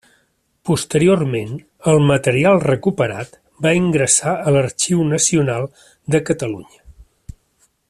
Posteriorment, el material recuperat va ingressar a l'Arxiu Nacional de Catalunya.